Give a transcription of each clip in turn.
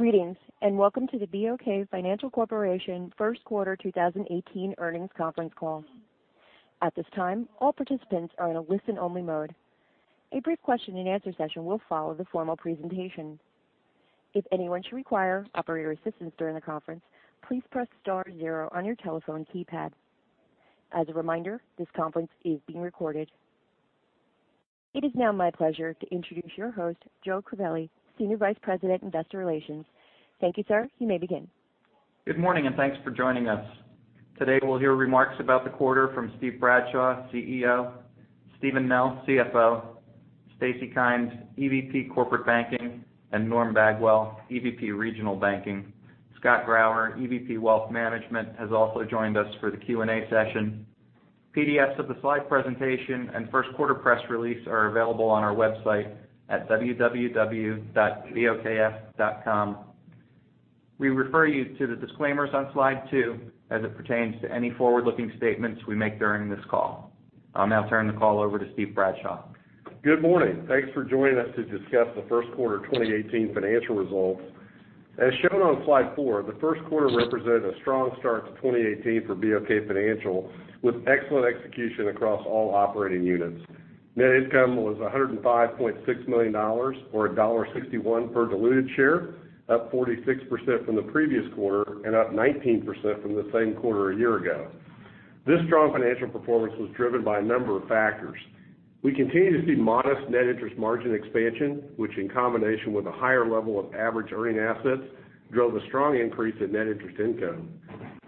Greetings, and welcome to the BOK Financial Corporation First Quarter 2018 Earnings Conference Call. At this time, all participants are in a listen-only mode. A brief question and answer session will follow the formal presentation. If anyone should require operator assistance during the conference, please press star zero on your telephone keypad. As a reminder, this conference is being recorded. It is now my pleasure to introduce your host, Joe Crivelli, Senior Vice President, Investor Relations. Thank you, sir. You may begin. Good morning, and thanks for joining us. Today, we'll hear remarks about the quarter from Steve Bradshaw, CEO, Steven Nell, CFO, Stacy Kymes, EVP Corporate Banking, and Norm Bagwell, EVP Regional Banking. Scott Grauer, EVP Wealth Management, has also joined us for the Q&A session. PDFs of the slide presentation and first quarter press release are available on our website at www.bokf.com. We refer you to the disclaimers on slide two as it pertains to any forward-looking statements we make during this call. I'll now turn the call over to Steve Bradshaw. Good morning. Thanks for joining us to discuss the first quarter 2018 financial results. As shown on slide four, the first quarter represented a strong start to 2018 for BOK Financial, with excellent execution across all operating units. Net income was $105.6 million, or $1.61 per diluted share, up 46% from the previous quarter and up 19% from the same quarter a year ago. This strong financial performance was driven by a number of factors. We continue to see modest net interest margin expansion, which in combination with a higher level of average earning assets, drove a strong increase in net interest income.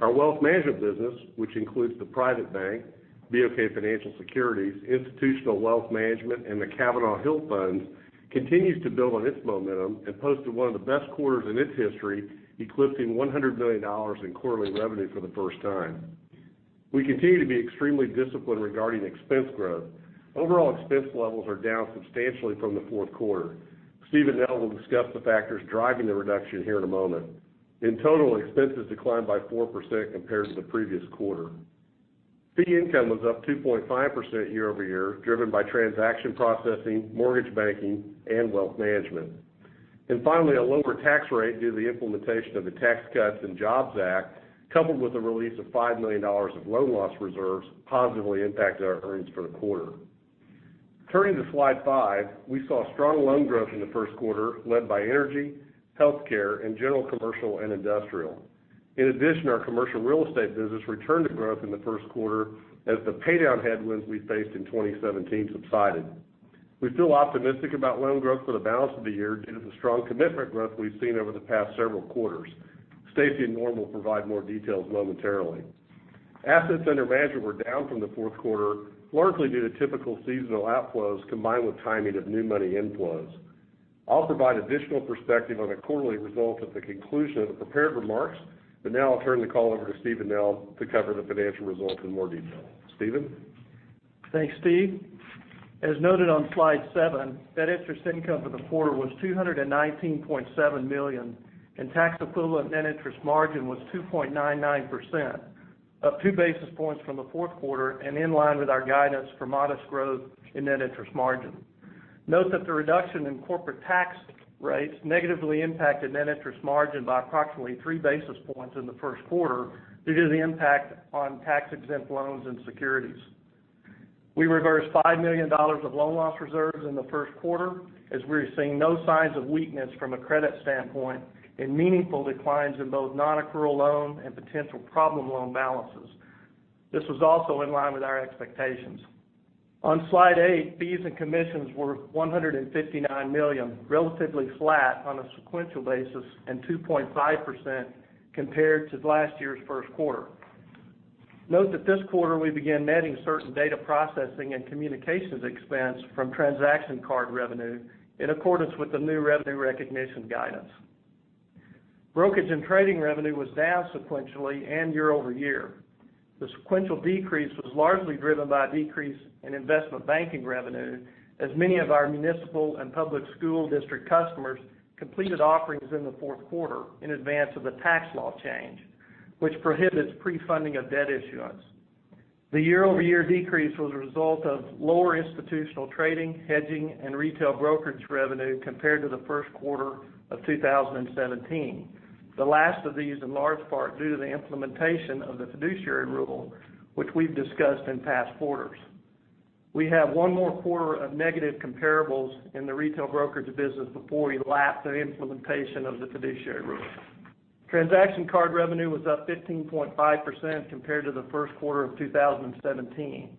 Our wealth management business, which includes the private bank, BOK Financial Securities, Institutional Wealth Management, and the Cavanal Hill Funds, continues to build on its momentum and posted one of the best quarters in its history, eclipsing $100 million in quarterly revenue for the first time. We continue to be extremely disciplined regarding expense growth. Overall expense levels are down substantially from the fourth quarter. Steven Nell will discuss the factors driving the reduction here in a moment. In total, expenses declined by 4% compared to the previous quarter. Fee income was up 2.5% year-over-year, driven by transaction processing, mortgage banking, and wealth management. Finally, a lower tax rate due to the implementation of the Tax Cuts and Jobs Act, coupled with the release of $5 million of loan loss reserves, positively impacted our earnings for the quarter. Turning to slide five, we saw strong loan growth in the first quarter led by energy, healthcare, and general commercial and industrial. In addition, our commercial real estate business returned to growth in the first quarter as the paydown headwinds we faced in 2017 subsided. We feel optimistic about loan growth for the balance of the year due to the strong commitment growth we've seen over the past several quarters. Stacy and Norm will provide more details momentarily. Assets under management were down from the fourth quarter, largely due to typical seasonal outflows combined with timing of new money inflows. I'll provide additional perspective on the quarterly results at the conclusion of the prepared remarks. Now I'll turn the call over to Steven Nell to cover the financial results in more detail. Steven? Thanks, Steve. As noted on slide seven, net interest income for the quarter was $219.7 million, and tax equivalent net interest margin was 2.99%, up 2 basis points from the fourth quarter and in line with our guidance for modest growth in net interest margin. Note that the reduction in corporate tax rates negatively impacted net interest margin by approximately 3 basis points in the first quarter due to the impact on tax-exempt loans and securities. We reversed $5 million of loan loss reserves in the first quarter as we're seeing no signs of weakness from a credit standpoint and meaningful declines in both non-accrual loan and potential problem loan balances. This was also in line with our expectations. On slide eight, fees and commissions were $159 million, relatively flat on a sequential basis, and 2.5% compared to last year's first quarter. Note that this quarter we began netting certain data processing and communications expense from transaction card revenue in accordance with the new revenue recognition guidance. Brokerage and trading revenue was down sequentially and year-over-year. The sequential decrease was largely driven by a decrease in investment banking revenue as many of our municipal and public school district customers completed offerings in the fourth quarter in advance of the tax law change, which prohibits pre-funding of debt issuance. The year-over-year decrease was a result of lower institutional trading, hedging, and retail brokerage revenue compared to the first quarter of 2017. The last of these, in large part, due to the implementation of the fiduciary rule, which we've discussed in past quarters. We have one more quarter of negative comparables in the retail brokerage business before we lap the implementation of the fiduciary rule. Transaction card revenue was up 15.5% compared to the first quarter of 2017.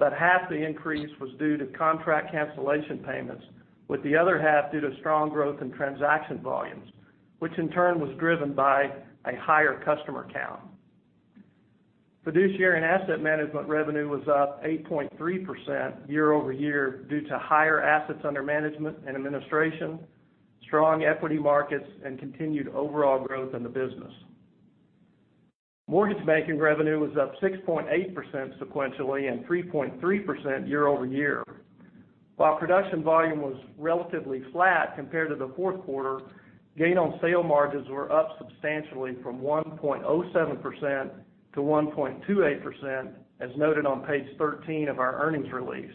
Half the increase was due to contract cancellation payments, with the other half due to strong growth in transaction volumes, which in turn was driven by a higher customer count. Fiduciary and asset management revenue was up 8.3% year-over-year due to higher assets under management and administration, strong equity markets, and continued overall growth in the business. Mortgage banking revenue was up 6.8% sequentially and 3.3% year-over-year. While production volume was relatively flat compared to the fourth quarter, gain on sale margins were up substantially from 1.07% to 1.28%, as noted on page 13 of our earnings release.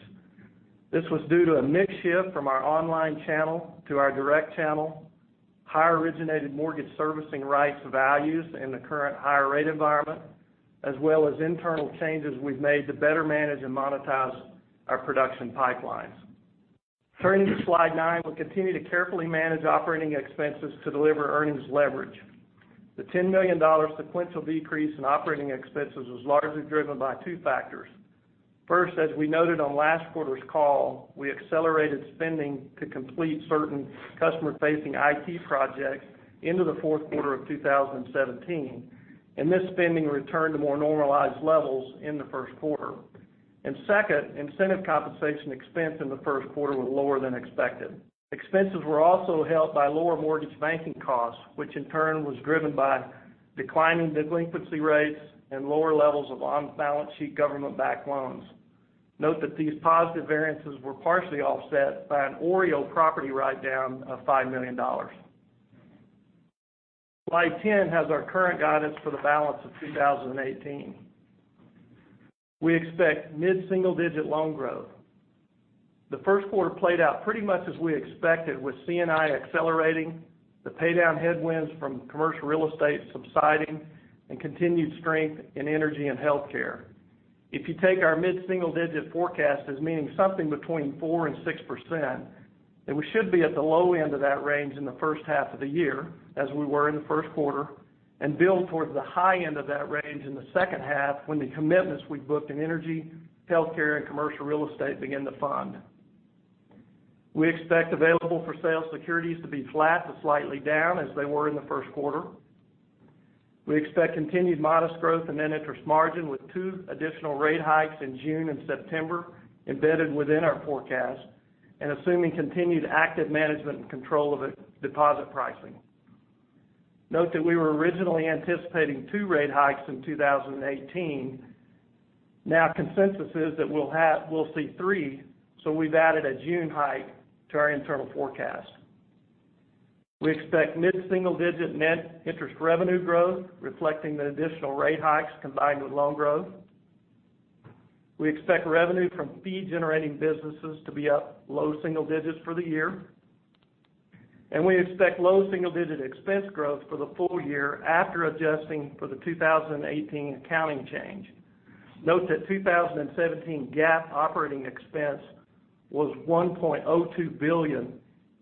This was due to a mix shift from our online channel to our direct channel, higher originated mortgage servicing rights values in the current higher rate environment, as well as internal changes we've made to better manage and monetize our production pipelines. Turning to slide nine, we will continue to carefully manage operating expenses to deliver earnings leverage. The $10 million sequential decrease in operating expenses was largely driven by two factors. First, as we noted on last quarter's call, we accelerated spending to complete certain customer-facing IT projects into the fourth quarter of 2017, and this spending returned to more normalized levels in the first quarter. Second, incentive compensation expense in the first quarter was lower than expected. Expenses were also helped by lower mortgage banking costs, which in turn was driven by declining delinquency rates and lower levels of on-balance sheet government-backed loans. Note that these positive variances were partially offset by an OREO property write-down of $5 million. Slide 10 has our current guidance for the balance of 2018. We expect mid-single-digit loan growth. The first quarter played out pretty much as we expected, with C&I accelerating, the paydown headwinds from commercial real estate subsiding, and continued strength in energy and healthcare. If you take our mid-single-digit forecast as meaning something between 4% and 6%, we should be at the low end of that range in the first half of the year, as we were in the first quarter, and build towards the high end of that range in the second half when the commitments we've booked in energy, healthcare, and commercial real estate begin to fund. We expect available for sale securities to be flat to slightly down as they were in the first quarter. We expect continued modest growth in net interest margin with two additional rate hikes in June and September embedded within our forecast and assuming continued active management and control of deposit pricing. Note that we were originally anticipating two rate hikes in 2018. Now consensus is that we will see three, so we've added a June hike to our internal forecast. We expect mid-single-digit net interest revenue growth, reflecting the additional rate hikes combined with loan growth. We expect revenue from fee-generating businesses to be up low single digits for the year. We expect low single-digit expense growth for the full year after adjusting for the 2018 accounting change. Note that 2017 GAAP operating expense was $1.02 billion,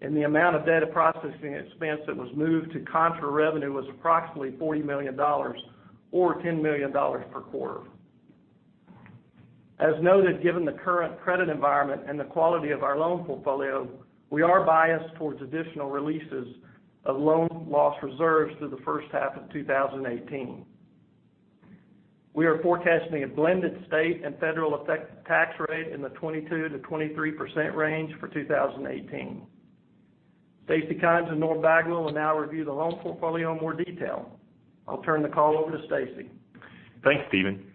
and the amount of data processing expense that was moved to contra revenue was approximately $40 million or $10 million per quarter. As noted, given the current credit environment and the quality of our loan portfolio, we are biased towards additional releases of loan loss reserves through the first half of 2018. We are forecasting a blended state and federal effective tax rate in the 22%-23% range for 2018. Stacy Kymes and Norm Bagwell will now review the loan portfolio in more detail. I will turn the call over to Stacy. Thanks, Steven.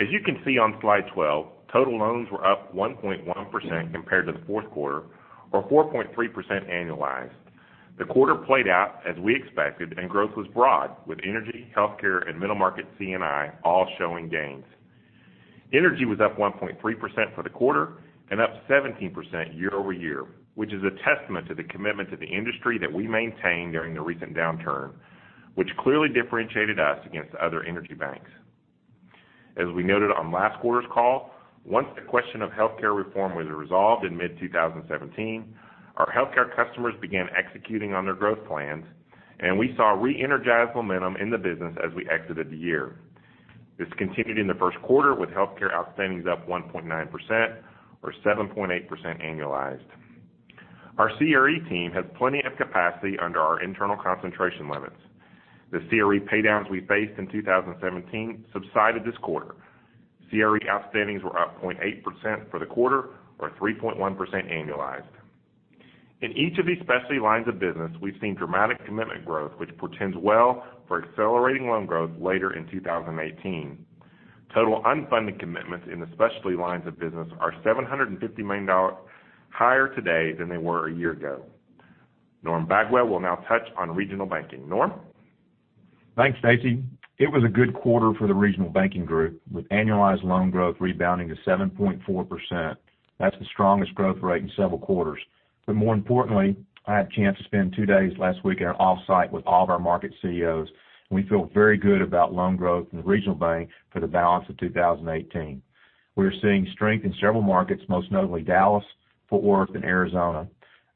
As you can see on slide 12, total loans were up 1.1% compared to the fourth quarter, or 4.3% annualized. The quarter played out as we expected and growth was broad, with energy, healthcare, and middle market C&I all showing gains. Energy was up 1.3% for the quarter and up 17% year-over-year, which is a testament to the commitment to the industry that we maintained during the recent downturn, which clearly differentiated us against other energy banks. As we noted on last quarter's call, once the question of healthcare reform was resolved in mid-2017, our healthcare customers began executing on their growth plans, and we saw re-energized momentum in the business as we exited the year. This continued in the first quarter with healthcare outstandings up 1.9%, or 7.8% annualized. Our CRE team has plenty of capacity under our internal concentration limits. The CRE paydowns we faced in 2017 subsided this quarter. CRE outstandings were up 0.8% for the quarter or 3.1% annualized. In each of these specialty lines of business, we've seen dramatic commitment growth, which portends well for accelerating loan growth later in 2018. Total unfunded commitments in the specialty lines of business are $750 million higher today than they were a year ago. Norm Bagwell will now touch on regional banking. Norm? Thanks, Stacy. It was a good quarter for the regional banking group, with annualized loan growth rebounding to 7.4%. That's the strongest growth rate in several quarters. More importantly, I had a chance to spend two days last week at our off-site with all of our market CEOs, and we feel very good about loan growth in the regional bank for the balance of 2018. We are seeing strength in several markets, most notably Dallas, Fort Worth, and Arizona.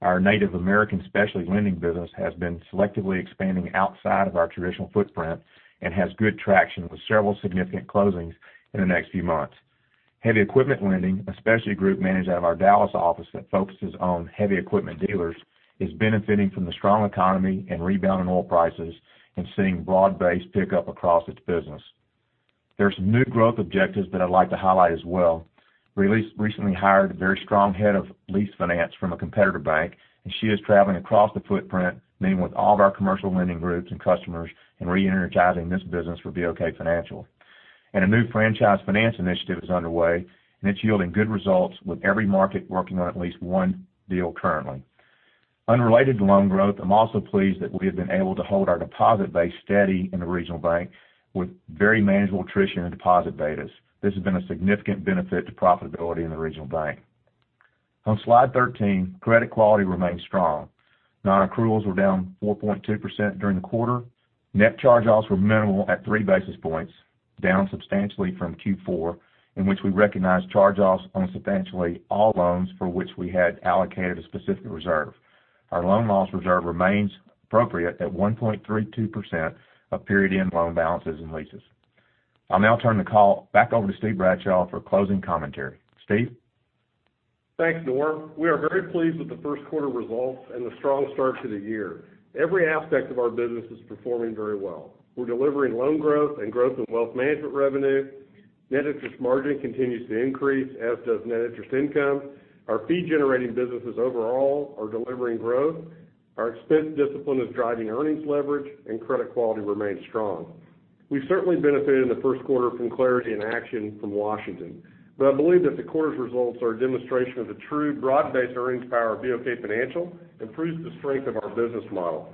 Our Native American specialty lending business has been selectively expanding outside of our traditional footprint and has good traction with several significant closings in the next few months. Heavy equipment lending, a specialty group managed out of our Dallas office that focuses on heavy equipment dealers, is benefiting from the strong economy and rebound in oil prices and seeing broad-based pickup across its business. There are some new growth objectives that I'd like to highlight as well. We recently hired a very strong Head of Lease Finance from a competitor bank, and she is traveling across the footprint, meeting with all of our commercial lending groups and customers, and re-energizing this business for BOK Financial. A new franchise finance initiative is underway, and it's yielding good results with every market working on at least one deal currently. Unrelated to loan growth, I am also pleased that we have been able to hold our deposit base steady in the regional bank with very manageable attrition and deposit betas. This has been a significant benefit to profitability in the regional bank. On slide 13, credit quality remains strong. Non-accruals were down 4.2% during the quarter. Net charge-offs were minimal at 3 basis points, down substantially from Q4, in which we recognized charge-offs on substantially all loans for which we had allocated a specific reserve. Our loan loss reserve remains appropriate at 1.32% of period-end loan balances and leases. I will now turn the call back over to Steve Bradshaw for closing commentary. Steve? Thanks, Norm. We are very pleased with the first quarter results and the strong start to the year. Every aspect of our business is performing very well. We are delivering loan growth and growth in wealth management revenue. Net interest margin continues to increase, as does net interest income. Our fee-generating businesses overall are delivering growth. Our expense discipline is driving earnings leverage, and credit quality remains strong. We certainly benefited in the first quarter from clarity and action from Washington. I believe that the quarter's results are a demonstration of the true broad-based earnings power of BOK Financial and proves the strength of our business model.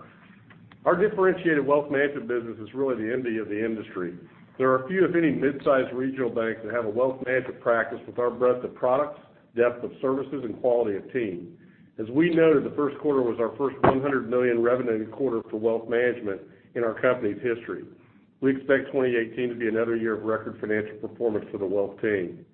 Our differentiated wealth management business is really the envy of the industry. There are few, if any, mid-sized regional banks that have a wealth management practice with our breadth of products, depth of services, and quality of team. As we noted, the first quarter was our first $100 million revenued quarter for wealth management in our company's history. We expect 2018 to be another year of record financial performance for the wealth team.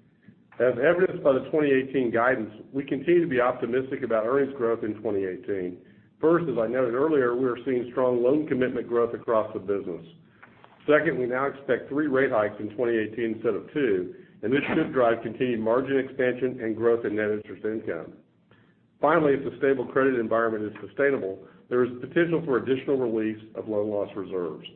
As evidenced by the 2018 guidance, we continue to be optimistic about earnings growth in 2018. First, as I noted earlier, we are seeing strong loan commitment growth across the business. Second, we now expect three rate hikes in 2018 instead of two, and this should drive continued margin expansion and growth in net interest income. Finally, if the stable credit environment is sustainable, there is potential for additional release of loan loss reserves.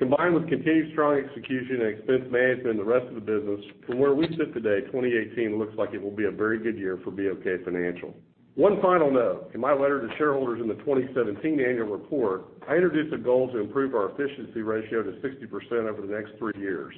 Combined with continued strong execution and expense management in the rest of the business, from where we sit today, 2018 looks like it will be a very good year for BOK Financial. One final note. In my letter to shareholders in the 2017 annual report, I introduced a goal to improve our efficiency ratio to 60% over the next three years.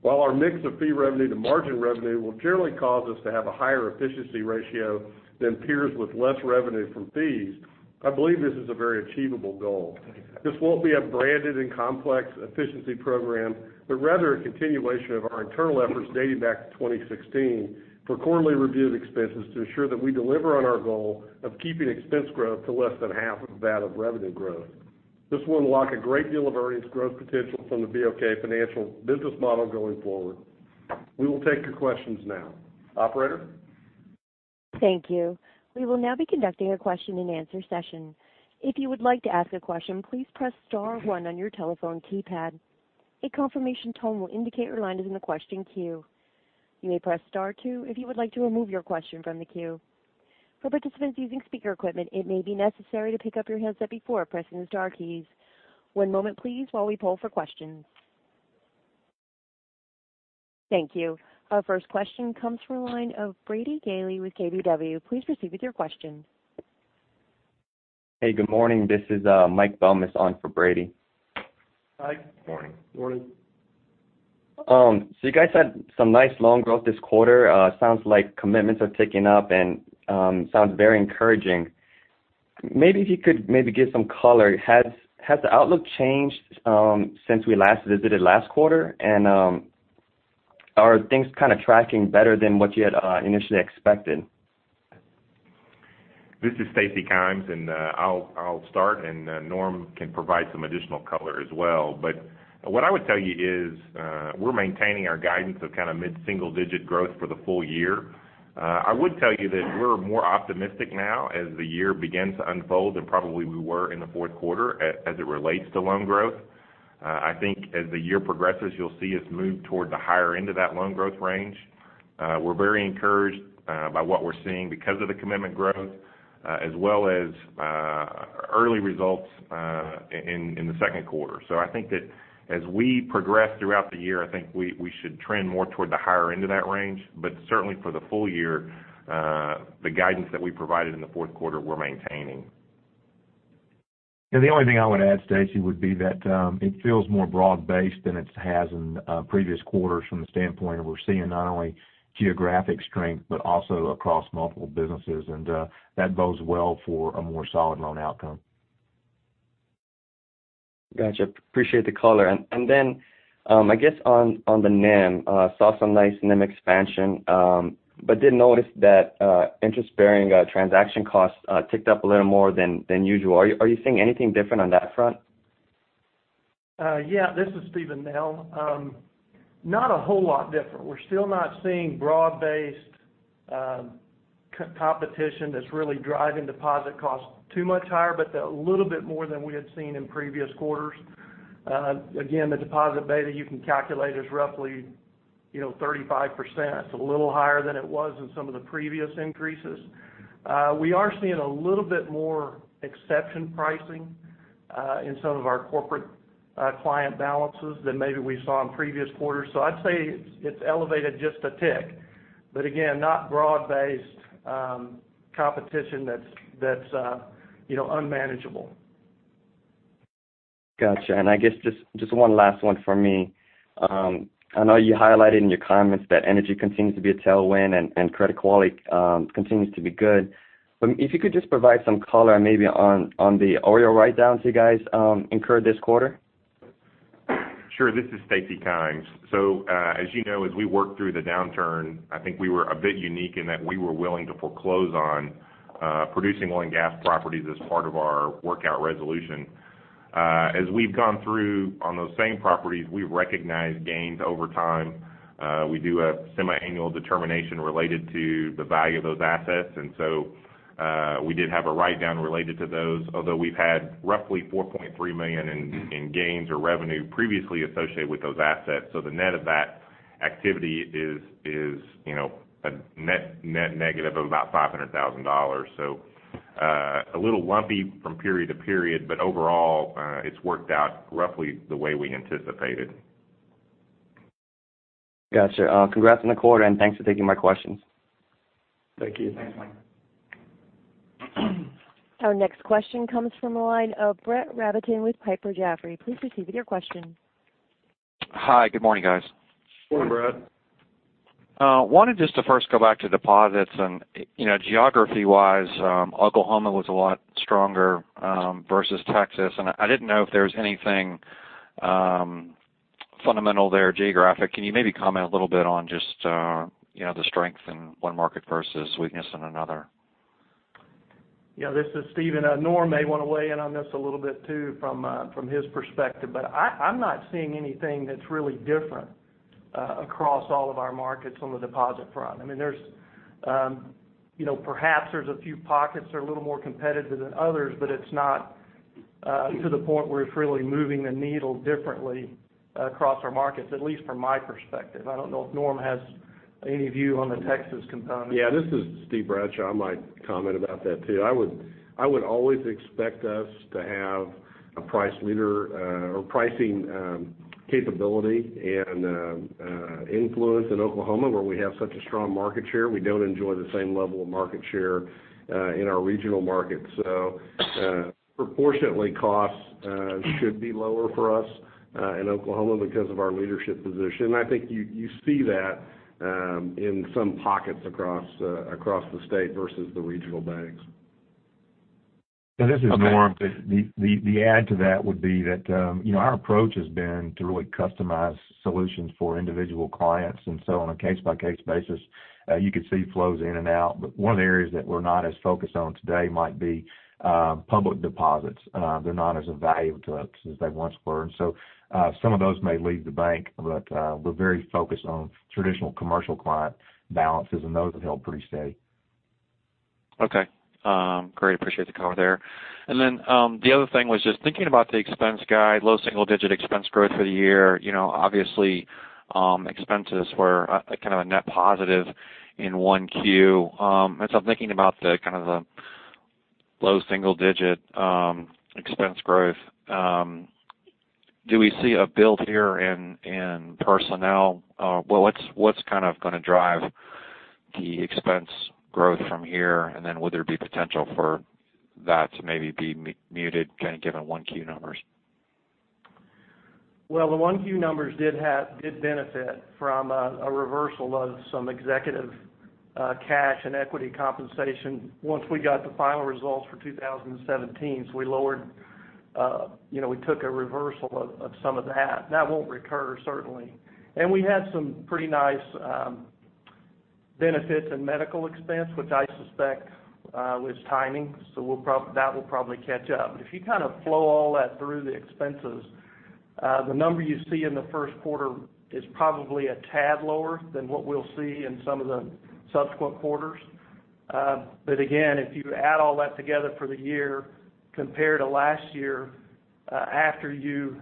While our mix of fee revenue to margin revenue will generally cause us to have a higher efficiency ratio than peers with less revenue from fees, I believe this is a very achievable goal. This won't be a branded and complex efficiency program, but rather a continuation of our internal efforts dating back to 2016 for quarterly review of expenses to ensure that we deliver on our goal of keeping expense growth to less than half of that of revenue growth. This will unlock a great deal of earnings growth potential from the BOK Financial business model going forward. We will take your questions now. Operator? Thank you. We will now be conducting a question-and-answer session. If you would like to ask a question, please press star one on your telephone keypad. A confirmation tone will indicate your line is in the question queue. You may press star two if you would like to remove your question from the queue. For participants using speaker equipment, it may be necessary to pick up your handset before pressing the star keys. One moment please while we poll for questions. Thank you. Our first question comes from the line of Brady Gailey with KBW. Please proceed with your questions. Hey, good morning. This is Mike Belmes on for Brady. Hi. Morning. Morning. You guys had some nice loan growth this quarter. Sounds like commitments are ticking up and sounds very encouraging. Maybe if you could give some color. Has the outlook changed since we last visited last quarter? Are things kind of tracking better than what you had initially expected? This is Stacy Kymes, and I'll start, and Norm can provide some additional color as well. What I would tell you is, we're maintaining our guidance of kind of mid-single digit growth for the full year. I would tell you that we're more optimistic now as the year begins to unfold than probably we were in the fourth quarter as it relates to loan growth. I think as the year progresses, you'll see us move toward the higher end of that loan growth range. We're very encouraged by what we're seeing because of the commitment growth, as well as early results in the second quarter. I think that as we progress throughout the year, I think we should trend more toward the higher end of that range. Certainly for the full year, the guidance that we provided in the fourth quarter, we're maintaining. Yeah, the only thing I would add, Stacy, would be that it feels more broad-based than it has in previous quarters from the standpoint of we're seeing not only geographic strength but also across multiple businesses, and that bodes well for a more solid loan outcome. Gotcha. Appreciate the color. I guess on the NIM, saw some nice NIM expansion, but did notice that interest-bearing transaction costs ticked up a little more than usual. Are you seeing anything different on that front? Yeah, this is Steven Nell. Not a whole lot different. We're still not seeing broad-based competition that's really driving deposit costs too much higher, but a little bit more than we had seen in previous quarters. The deposit beta you can calculate is roughly 35%. It's a little higher than it was in some of the previous increases. We are seeing a little bit more exception pricing in some of our corporate client balances than maybe we saw in previous quarters. I'd say it's elevated just a tick. Not broad-based competition that's unmanageable. Got you. I guess just one last one from me. I know you highlighted in your comments that energy continues to be a tailwind and credit quality continues to be good. If you could just provide some color maybe on the OREO write-downs you guys incurred this quarter. Sure. This is Stacy Kymes. As you know, as we worked through the downturn, I think we were a bit unique in that we were willing to foreclose on producing oil and gas properties as part of our workout resolution. As we've gone through on those same properties, we've recognized gains over time. We do a semiannual determination related to the value of those assets, and so we did have a write-down related to those, although we've had roughly $4.3 million in gains or revenue previously associated with those assets. The net of that activity is a net negative of about $500,000. A little lumpy from period to period, but overall, it's worked out roughly the way we anticipated. Got you. Congrats on the quarter, and thanks for taking my questions. Thank you. Thanks, Mike. Our next question comes from the line of Brett Rabatin with Piper Jaffray. Please proceed with your question. Hi. Good morning, guys. Morning, Brett. Wanted just to first go back to deposits and geography-wise, Oklahoma was a lot stronger versus Texas. I didn't know if there was anything fundamental there geographic. Can you maybe comment a little bit on just the strength in one market versus weakness in another? This is Steven. Norm may want to weigh in on this a little bit too from his perspective. I'm not seeing anything that's really different across all of our markets on the deposit front. Perhaps there's a few pockets that are a little more competitive than others. It's not to the point where it's really moving the needle differently across our markets, at least from my perspective. I don't know if Norm has any view on the Texas component. This is Steve Bradshaw. I might comment about that, too. I would always expect us to have a price leader or pricing capability and influence in Oklahoma, where we have such a strong market share. We don't enjoy the same level of market share in our regional markets. Proportionately, costs should be lower for us in Oklahoma because of our leadership position. I think you see that in some pockets across the state versus the regional banks. Okay. This is Norm. The add to that would be that our approach has been to really customize solutions for individual clients. On a case-by-case basis, you could see flows in and out. One of the areas that we're not as focused on today might be public deposits. They're not as a value to us as they once were. Some of those may leave the bank. We're very focused on traditional commercial client balances. Those have held pretty steady. Okay. Great. Appreciate the color there. The other thing was just thinking about the expense guide, low single-digit expense growth for the year. Obviously, expenses were kind of a net positive in 1Q. I'm thinking about the low single-digit expense growth. Do we see a build here in personnel? What's going to drive the expense growth from here? Would there be potential for that to maybe be muted, kind of given 1Q numbers? The 1Q numbers did benefit from a reversal of some executive cash and equity compensation once we got the final results for 2017. We took a reversal of some of that. That won't recur, certainly. We had some pretty nice benefits in medical expense, which I suspect was timing. That will probably catch up. If you flow all that through the expenses, the number you see in the first quarter is probably a tad lower than what we'll see in some of the subsequent quarters. Again, if you add all that together for the year compared to last year, after you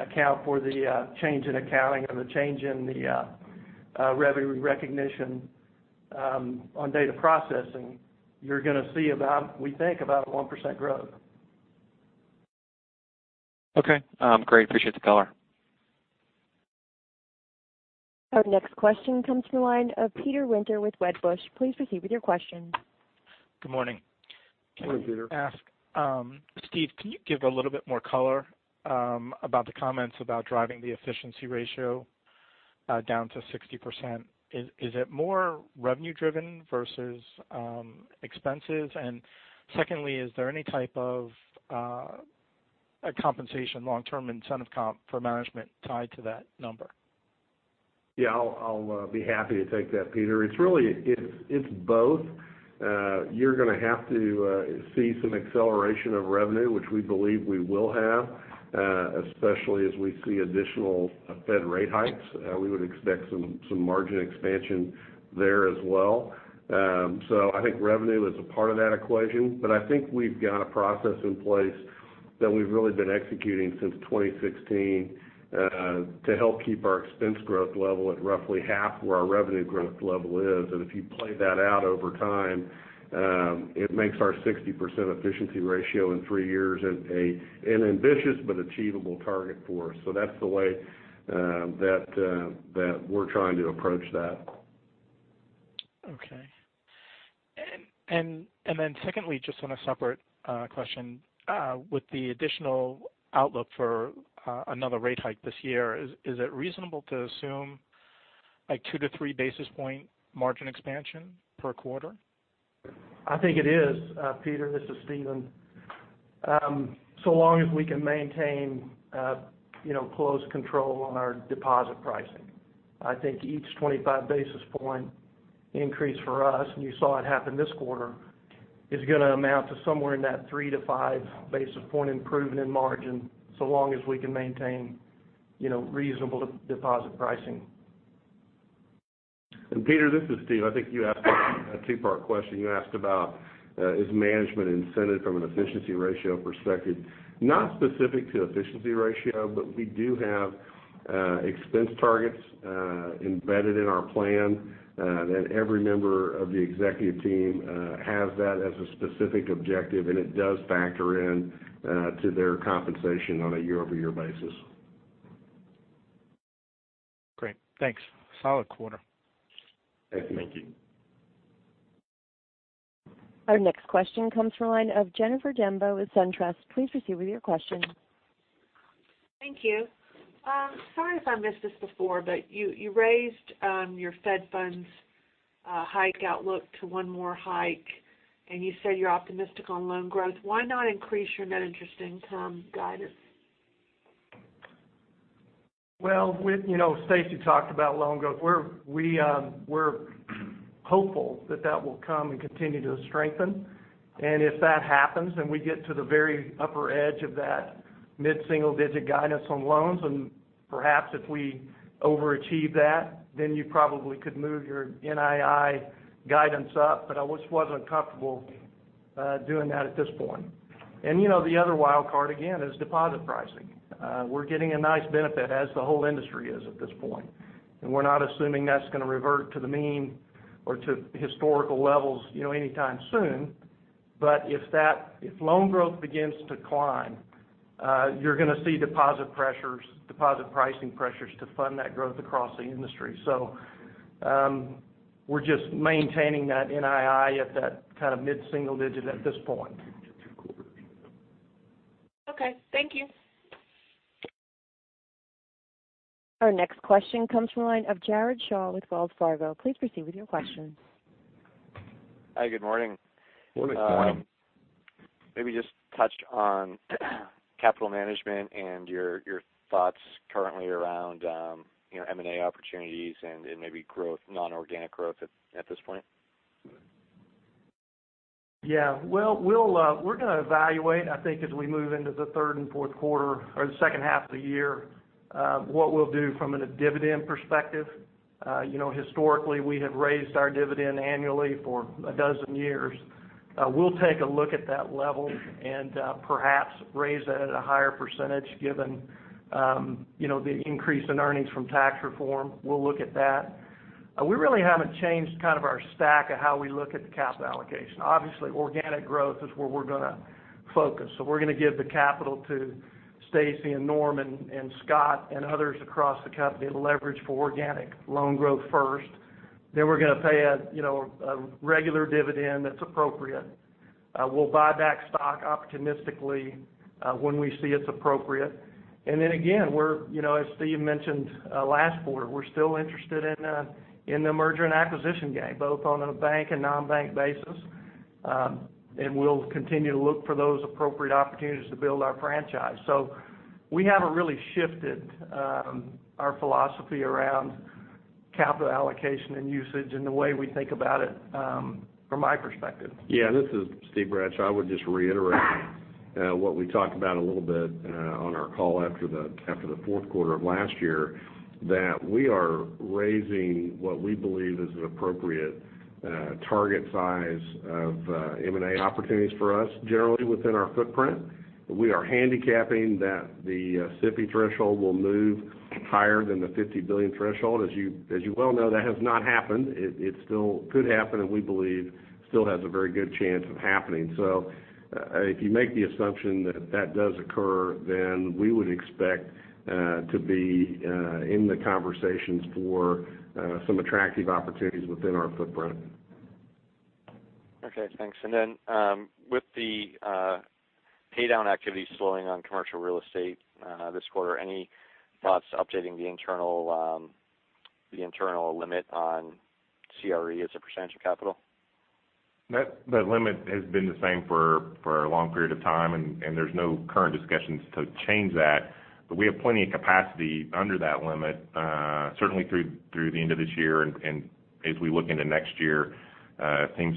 account for the change in accounting and the change in the revenue recognition on data processing, you're going to see, we think, about a 1% growth. Great. Appreciate the color. Our next question comes from the line of Peter Winter with Wedbush. Please proceed with your question. Good morning. Good morning, Peter. Can I ask, Steve, can you give a little bit more color about the comments about driving the efficiency ratio down to 60%? Is it more revenue driven versus expenses? Secondly, is there any type of compensation, long-term incentive comp for management tied to that number? Yeah, I'll be happy to take that, Peter. It's both. You're going to have to see some acceleration of revenue, which we believe we will have, especially as we see additional Fed rate hikes. We would expect some margin expansion there as well. I think revenue is a part of that equation, but I think we've got a process in place that we've really been executing since 2016 to help keep our expense growth level at roughly half where our revenue growth level is. If you play that out over time, it makes our 60% efficiency ratio in three years an ambitious but achievable target for us. That's the way that we're trying to approach that. Okay. Secondly, just on a separate question, with the additional outlook for another rate hike this year, is it reasonable to assume a 2-3 basis point margin expansion per quarter? I think it is, Peter. This is Steven. Long as we can maintain close control on our deposit pricing. I think each 25 basis point increase for us, and you saw it happen this quarter, is going to amount to somewhere in that 3-5 basis point improvement in margin, so long as we can maintain reasonable deposit pricing. Peter, this is Steve. I think you asked a two-part question. You asked about, is management incented from an efficiency ratio perspective? Not specific to efficiency ratio, but we do have expense targets embedded in our plan that every member of the executive team has that as a specific objective, and it does factor into their compensation on a year-over-year basis. Great, thanks. Solid quarter. Thank you. Thank you. Our next question comes from the line of Jennifer Demba with SunTrust. Please proceed with your question. Thank you. Sorry if I missed this before, you raised your Fed funds hike outlook to one more hike, and you said you're optimistic on loan growth. Why not increase your net interest income guidance? Well, Stacy talked about loan growth. We're hopeful that that will come and continue to strengthen. If that happens, and we get to the very upper edge of that mid-single digit guidance on loans, and perhaps if we overachieve that, then you probably could move your NII guidance up, but I just wasn't comfortable doing that at this point. The other wild card, again, is deposit pricing. We're getting a nice benefit as the whole industry is at this point. We're not assuming that's going to revert to the mean or to historical levels anytime soon. If loan growth begins to climb, you're going to see deposit pricing pressures to fund that growth across the industry. We're just maintaining that NII at that mid-single digit at this point. Okay. Thank you. Our next question comes from the line of Jared Shaw with Wells Fargo. Please proceed with your question. Hi, good morning. Morning. Morning. Maybe just touch on capital management and your thoughts currently around M&A opportunities and maybe non-organic growth at this point. Yeah. We're going to evaluate, I think, as we move into the third and fourth quarter or the second half of the year, what we'll do from a dividend perspective. Historically, we have raised our dividend annually for a dozen years. We'll take a look at that level and perhaps raise that at a higher percentage given the increase in earnings from tax reform. We'll look at that. We really haven't changed our stack of how we look at the capital allocation. Obviously, organic growth is where we're going to focus. We're going to give the capital to Stacy and Norm and Scott and others across the company to leverage for organic loan growth first. We'll pay a regular dividend that's appropriate. We'll buy back stock opportunistically when we see it's appropriate. Again, as Steve mentioned last quarter, we're still interested in the merger and acquisition game, both on a bank and non-bank basis. We'll continue to look for those appropriate opportunities to build our franchise. We haven't really shifted our philosophy around capital allocation and usage and the way we think about it from my perspective. Yeah, this is Steve Bradshaw. I would just reiterate what we talked about a little bit on our call after the fourth quarter of last year, that we are raising what we believe is an appropriate target size of M&A opportunities for us, generally within our footprint. We are handicapping that the SIFI threshold will move higher than the $50 billion threshold. As you well know, that has not happened. It still could happen, and we believe still has a very good chance of happening. If you make the assumption that that does occur, then we would expect to be in the conversations for some attractive opportunities within our footprint. Okay, thanks. With the paydown activity slowing on commercial real estate this quarter, any thoughts updating the internal limit on CRE as a percentage of capital? That limit has been the same for a long period of time. There's no current discussions to change that. We have plenty of capacity under that limit, certainly through the end of this year. As we look into next year, it seems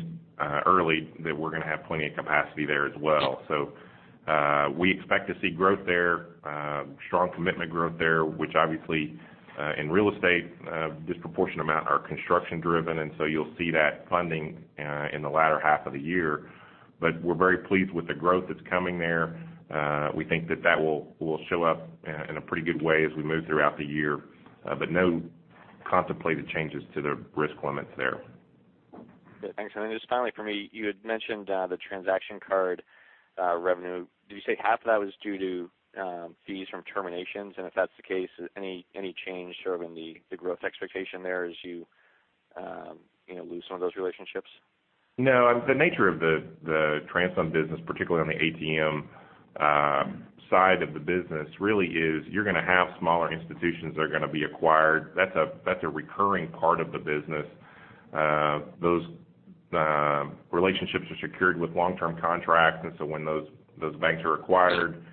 early that we're going to have plenty of capacity there as well. We expect to see growth there, strong commitment growth there, which obviously in real estate, a disproportionate amount are construction driven. You'll see that funding in the latter half of the year. We're very pleased with the growth that's coming there. We think that that will show up in a pretty good way as we move throughout the year. No contemplated changes to the risk limits there. Thanks. Just finally for me, you had mentioned the transaction card revenue. Did you say half of that was due to fees from terminations? If that's the case, any change in the growth expectation there as you lose some of those relationships? No. The nature of the TransFund business, particularly on the ATM side of the business, really is you're going to have smaller institutions that are going to be acquired. That's a recurring part of the business. Those relationships are secured with long-term contracts. When those banks are acquired,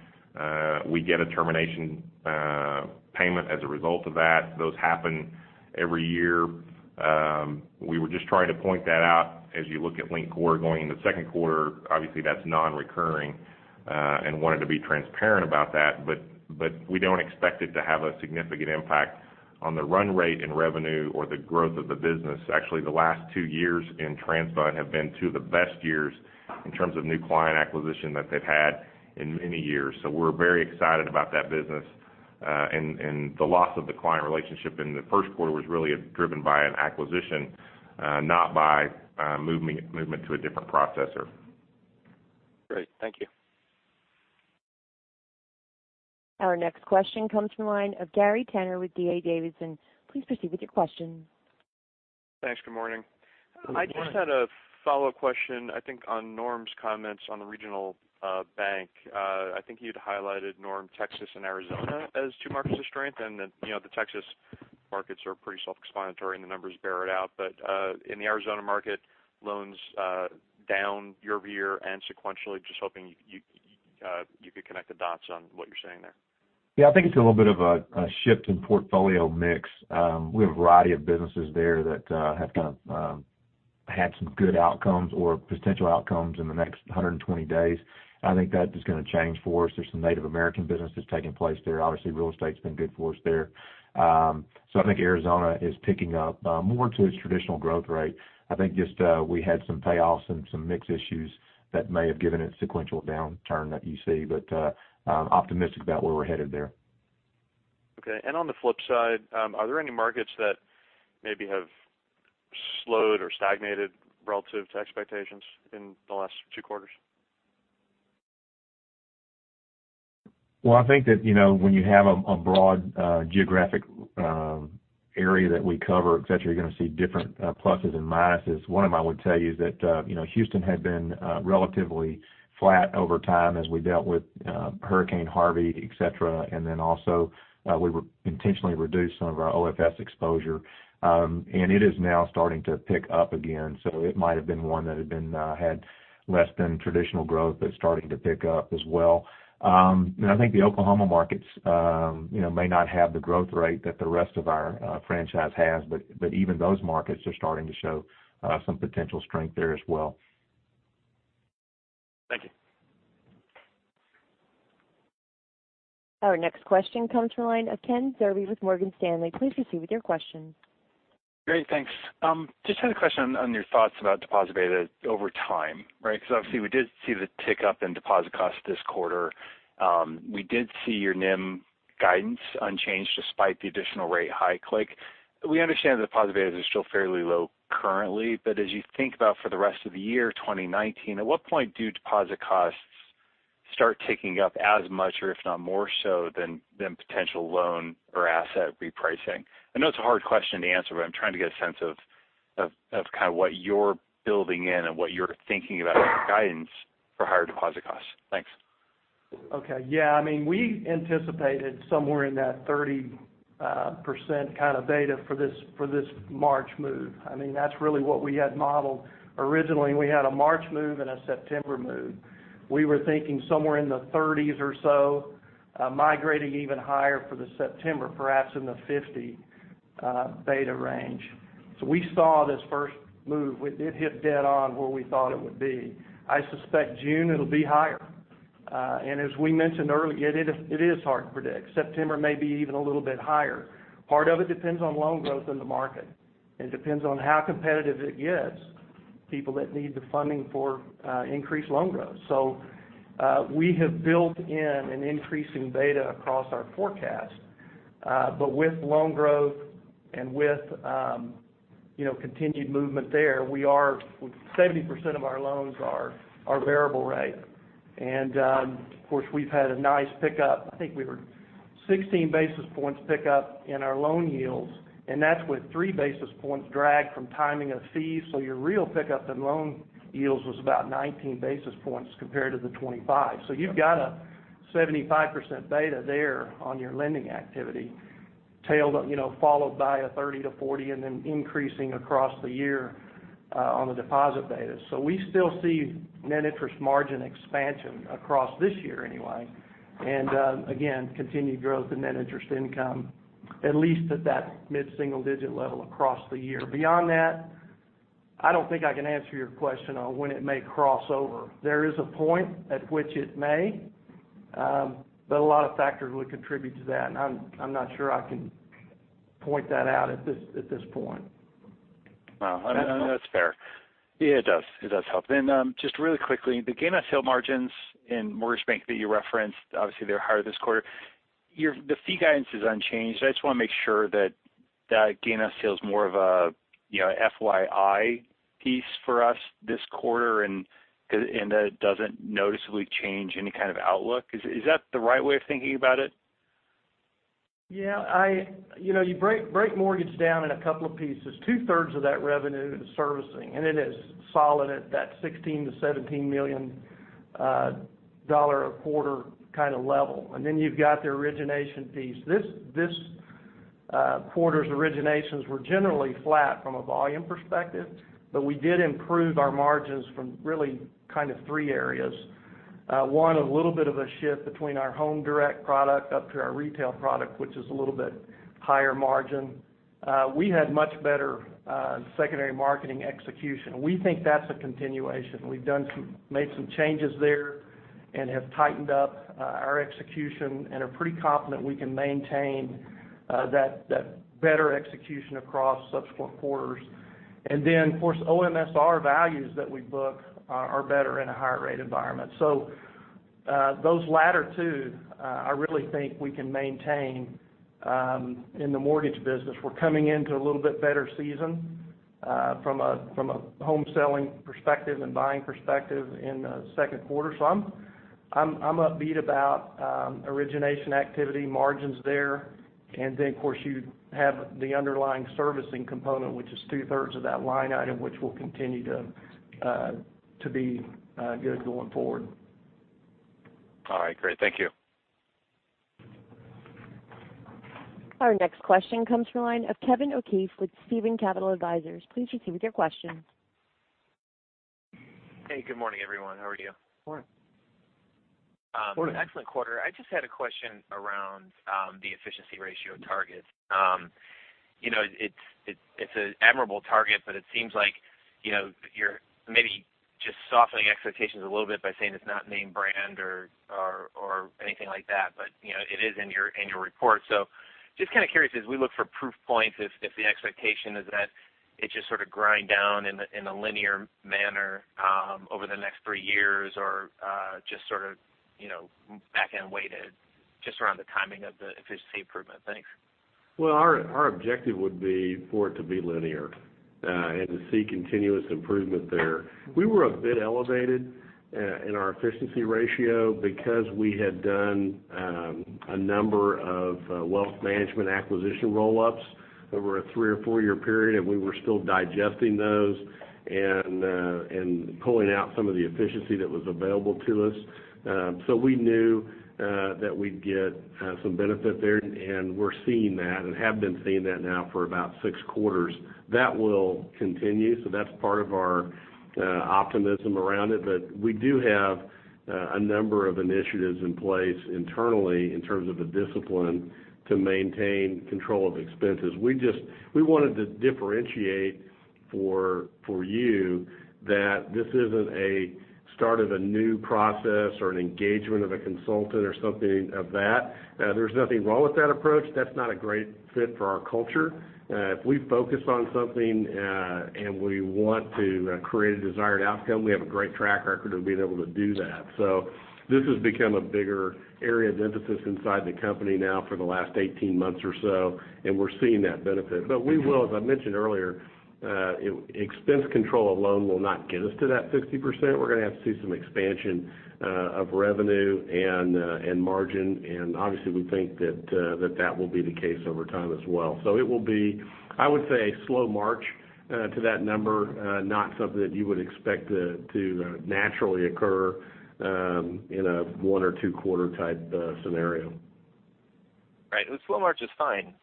we get a termination payment as a result of that. Those happen every year. We were just trying to point that out as you look at linked quarter going into second quarter, obviously that's non-recurring. Wanted to be transparent about that. We don't expect it to have a significant impact on the run rate and revenue or the growth of the business. Actually, the last two years in TransFund have been two of the best years in terms of new client acquisition that they've had in many years. We're very excited about that business. The loss of the client relationship in the first quarter was really driven by an acquisition, not by movement to a different processor. Great. Thank you. Our next question comes from the line of Gary Tenner with D.A. Davidson. Please proceed with your question. Thanks. Good morning. Good morning. I just had a follow-up question, I think, on Norm's comments on the regional bank. I think you'd highlighted, Norm, Texas and Arizona as two markets of strength, and that the Texas markets are pretty self-explanatory and the numbers bear it out. In the Arizona market, loans down year-over-year and sequentially. Just hoping you could connect the dots on what you're saying there. Yeah. I think it's a little bit of a shift in portfolio mix. We have a variety of businesses there that have kind of had some good outcomes or potential outcomes in the next 120 days. I think that is going to change for us. There's some Native American business that's taking place there. Obviously, real estate's been good for us there. I think Arizona is picking up more to its traditional growth rate. I think just we had some payoffs and some mix issues that may have given it sequential downturn that you see. Optimistic about where we're headed there. Okay. On the flip side, are there any markets that maybe have slowed or stagnated relative to expectations in the last two quarters? Well, I think that when you have a broad geographic area that we cover, et cetera, you're going to see different pluses and minuses. One of them I would tell you is that Houston had been relatively flat over time as we dealt with Hurricane Harvey, et cetera, and then also we intentionally reduced some of our OFS exposure. It is now starting to pick up again. It might've been one that had less than traditional growth, but it's starting to pick up as well. I think the Oklahoma markets may not have the growth rate that the rest of our franchise has, but even those markets are starting to show some potential strength there as well. Thank you. Our next question comes from the line of Ken Zerbe with Morgan Stanley. Please proceed with your question. Great. Thanks. Just had a question on your thoughts about deposit beta over time, right? Obviously, we did see the tick up in deposit costs this quarter. We did see your NIM guidance unchanged despite the additional rate hike. We understand deposit betas are still fairly low currently, but as you think about for the rest of the year 2019, at what point do deposit costs start ticking up as much or if not more so than potential loan or asset repricing? I know it's a hard question to answer, but I'm trying to get a sense of kind of what you're building in and what you're thinking about in guidance for higher deposit costs. Thanks. Okay. Yeah. We anticipated somewhere in that 30% kind of beta for this March move. That's really what we had modeled. Originally, we had a March move and a September move. We were thinking somewhere in the 30s or so, migrating even higher for the September, perhaps in the 50% beta range. We saw this first move. It hit dead on where we thought it would be. I suspect June it'll be higher. As we mentioned earlier, it is hard to predict. September may be even a little bit higher. Part of it depends on loan growth in the market, and depends on how competitive it gets, people that need the funding for increased loan growth. We have built in an increasing beta across our forecast. With loan growth and with continued movement there, 70% of our loans are variable rate. Of course, we've had a nice pickup. I think we were 16 basis points pickup in our loan yields, and that's with 3 basis points drag from timing of fees. Your real pickup in loan yields was about 19 basis points compared to the 25 basis points. You've got a 75% beta there on your lending activity, followed by a 30%-40% and then increasing across the year on the deposit beta. We still see net interest margin expansion across this year anyway. Again, continued growth in net interest income, at least at that mid-single digit level across the year. Beyond that, I don't think I can answer your question on when it may cross over. There is a point at which it may, but a lot of factors would contribute to that, and I'm not sure I can point that out at this point. Well, that's fair. Yeah, it does help. Just really quickly, the gain on sale margins in Mortgage Bank that you referenced, obviously they're higher this quarter. The fee guidance is unchanged. I just want to make sure that gain on sale's more of a FYI piece for us this quarter, and that it doesn't noticeably change any kind of outlook. Is that the right way of thinking about it? Yeah. You break mortgage down in a couple of pieces. Two-thirds of that revenue is servicing, and it is solid at that $16 million-$17 million a quarter kind of level. You've got the origination piece. This quarter's originations were generally flat from a volume perspective, but we did improve our margins from really kind of three areas. One, a little bit of a shift between our home direct product up to our retail product, which is a little bit higher margin. We had much better secondary marketing execution. We think that's a continuation. We've made some changes there and have tightened up our execution and are pretty confident we can maintain that better execution across subsequent quarters. Of course, OMSR values that we book are better in a higher rate environment. Those latter two, I really think we can maintain in the mortgage business. We're coming into a little bit better season from a home selling perspective and buying perspective in the second quarter. I'm upbeat about origination activity margins there. Of course, you have the underlying servicing component, which is two-thirds of that line item, which will continue to be good going forward. All right, great. Thank you. Our next question comes from the line of Kevin O'Keefe with Stieven Capital Advisors. Please proceed with your question. Hey, good morning, everyone. How are you? Morning. Morning. An excellent quarter. I just had a question around the efficiency ratio targets. It's an admirable target, but it seems like you're maybe just softening expectations a little bit by saying it's not name brand or anything like that, but it is in your annual report. Just kind of curious as we look for proof points, if the expectation is that it's just sort of grind down in a linear manner over the next three years or just sort of back-end weighted just around the timing of the efficiency improvement. Thanks. Our objective would be for it to be linear and to see continuous improvement there. We were a bit elevated in our efficiency ratio because we had done a number of wealth management acquisition roll-ups over a three or four-year period, and we were still digesting those and pulling out some of the efficiency that was available to us. We knew that we'd get some benefit there, and we're seeing that and have been seeing that now for about six quarters. That will continue. That's part of our optimism around it. We do have a number of initiatives in place internally in terms of the discipline to maintain control of expenses. We wanted to differentiate for you that this isn't a start of a new process or an engagement of a consultant or something of that. There's nothing wrong with that approach. That's not a great fit for our culture. If we focus on something and we want to create a desired outcome, we have a great track record of being able to do that. This has become a bigger area of emphasis inside the company now for the last 18 months or so, and we're seeing that benefit. We will, as I mentioned earlier, expense control alone will not get us to that 60%. We're going to have to see some expansion of revenue and margin. Obviously, we think that that will be the case over time as well. It will be, I would say, a slow march to that number, not something that you would expect to naturally occur in a one or two quarter type scenario. Right. A slow march is fine.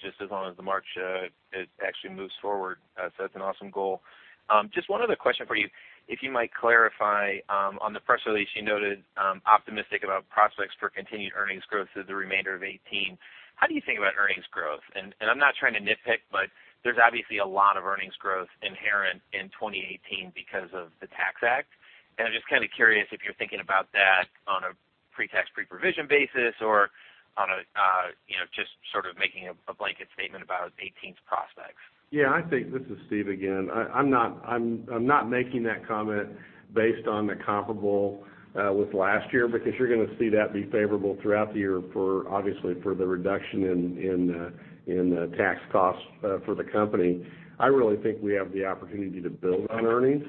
Just as long as the march, it actually moves forward. That's an awesome goal. Just one other question for you. If you might clarify, on the press release, you noted, optimistic about prospects for continued earnings growth through the remainder of 2018. How do you think about earnings growth? I'm not trying to nitpick, but there's obviously a lot of earnings growth inherent in 2018 because of the Tax Act. I'm just kind of curious if you're thinking about that on a pre-tax, pre-provision basis or on a just sort of making a blanket statement about 2018's prospects. This is Steve again. I'm not making that comment based on the comparable with last year because you're going to see that be favorable throughout the year, obviously for the reduction in tax costs for the company. I really think we have the opportunity to build on earnings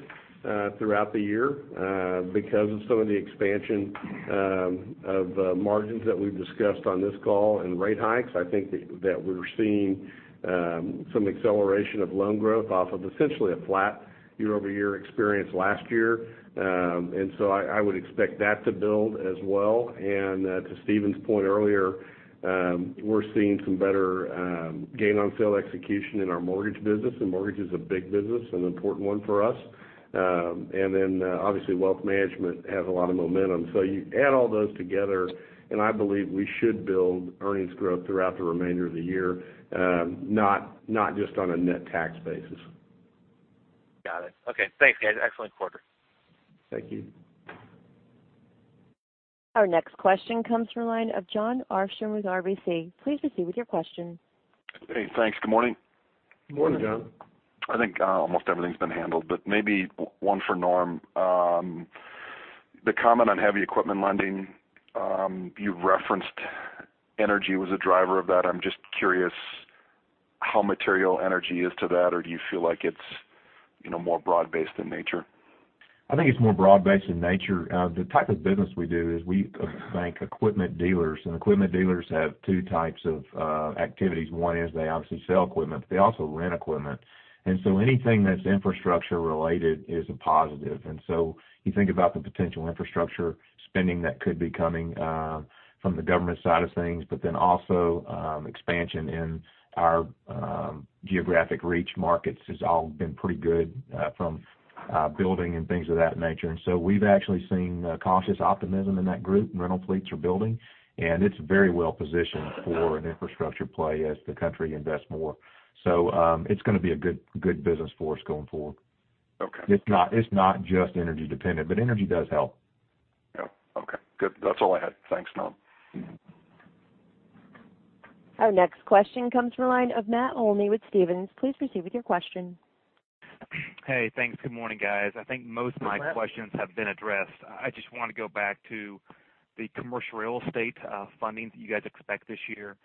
throughout the year because of some of the expansion of margins that we've discussed on this call and rate hikes. I think that we're seeing some acceleration of loan growth off of essentially a flat year-over-year experience last year. I would expect that to build as well. To Steven's point earlier, we're seeing some better gain on sale execution in our mortgage business. Mortgage is a big business, an important one for us. Obviously, wealth management has a lot of momentum. You add all those together, I believe we should build earnings growth throughout the remainder of the year, not just on a net tax basis. Got it. Okay. Thanks, guys. Excellent quarter. Thank you. Our next question comes from the line of Jon Arfstrom with RBC. Please proceed with your question. Hey, thanks. Good morning. Morning, Jon. Morning. I think almost everything's been handled, but maybe one for Norm. The comment on heavy equipment lending, you referenced energy was a driver of that. I'm just curious how material energy is to that, or do you feel like it's more broad-based in nature? I think it's more broad-based in nature. The type of business we do is we bank equipment dealers. Equipment dealers have two types of activities. One is they obviously sell equipment, but they also rent equipment. Anything that's infrastructure-related is a positive. You think about the potential infrastructure spending that could be coming from the government side of things, but then also expansion in our geographic reach markets has all been pretty good from building and things of that nature. We've actually seen cautious optimism in that group. Rental fleets are building. It's very well-positioned for an infrastructure play as the country invests more. It's going to be a good business for us going forward. Okay. It's not just energy dependent. Energy does help. Yep. Okay, good. That's all I had. Thanks, Norm. Our next question comes from the line of Matt Olney with Stephens. Please proceed with your question. Hey, thanks. Good morning, guys. I think most of my questions have been addressed. I just want to go back to the commercial real estate funding that you guys expect this year.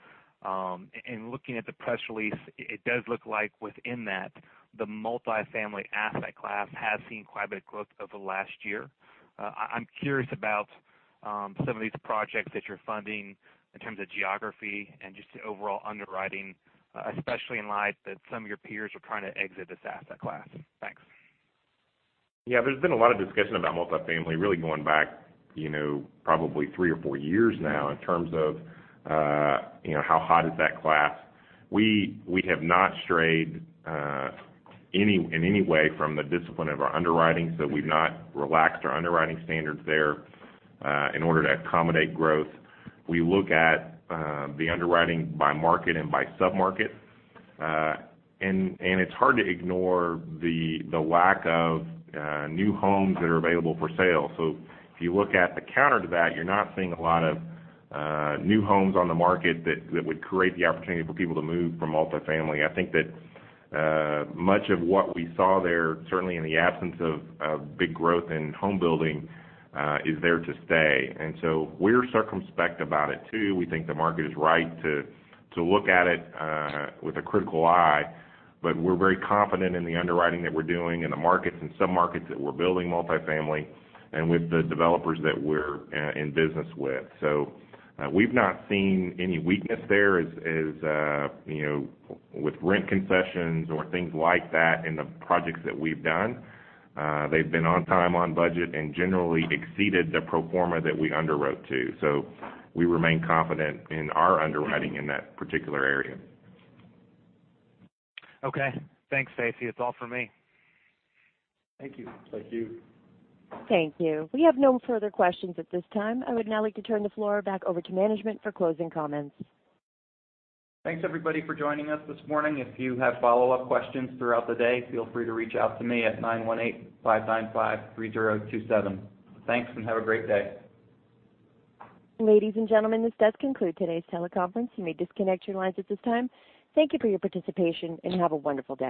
In looking at the press release, it does look like within that, the multifamily asset class has seen quite a bit of growth over the last year. I'm curious about some of these projects that you're funding in terms of geography and just the overall underwriting, especially in light that some of your peers are trying to exit this asset class. Thanks. Yeah, there's been a lot of discussion about multifamily really going back probably three or four years now in terms of how hot is that class. We have not strayed in any way from the discipline of our underwriting, so we've not relaxed our underwriting standards there in order to accommodate growth. We look at the underwriting by market and by sub-market. It's hard to ignore the lack of new homes that are available for sale. If you look at the counter to that, you're not seeing a lot of new homes on the market that would create the opportunity for people to move from multifamily. I think that much of what we saw there, certainly in the absence of big growth in home building, is there to stay. We're circumspect about it, too. We think the market is right to look at it with a critical eye, but we're very confident in the underwriting that we're doing in the markets and sub-markets that we're building multifamily and with the developers that we're in business with. We've not seen any weakness there as with rent concessions or things like that in the projects that we've done. They've been on time, on budget, and generally exceeded the pro forma that we underwrote to. We remain confident in our underwriting in that particular area. Okay. Thanks, Stacy. It's all for me. Thank you. Thank you. Thank you. We have no further questions at this time. I would now like to turn the floor back over to management for closing comments. Thanks everybody for joining us this morning. If you have follow-up questions throughout the day, feel free to reach out to me at 918-595-3027. Thanks, and have a great day. Ladies and gentlemen, this does conclude today's teleconference. You may disconnect your lines at this time. Thank you for your participation, and have a wonderful day.